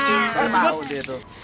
itu dia pak gonteng